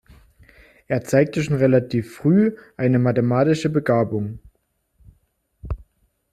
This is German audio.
Er zeigte schon relativ früh eine mathematische Begabung.